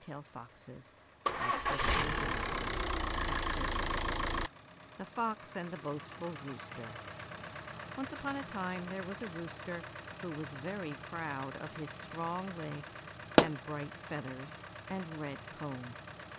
THE FOX AND THE BOASTFUL ROOSTER ✓ THE FOX AND THE BOASTFUL ROOSTER O NCE upon a time there was a rooster who was very proud of his strong legs and bright feathers and red comb.